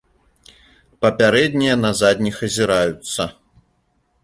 Папярэднія на задніх азіраюцца.